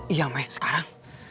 iya akemen sekarang